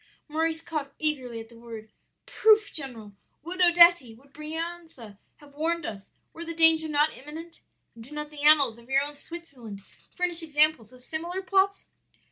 "Maurice caught eagerly at the word. 'Proof, general! would Odetti, would Brianza have warned us, were the danger not imminent? And do not the annals of your own Switzerland furnish examples of similar plots?'